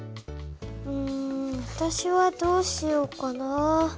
うんわたしはどうしようかな。